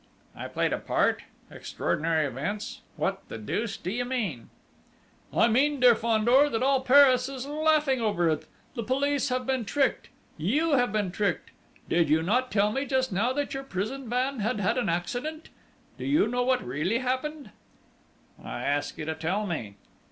"I played a part?... Extraordinary events?... What the deuce do you mean?" "I mean, dear Fandor, that all Paris is laughing over it. The police have been tricked! You have been tricked! Did you not tell me, just now, that your prison van had had an accident? Do you know what really happened?" "I ask you to tell me."